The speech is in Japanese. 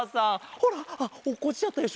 ほらあっおっこちちゃったでしょ？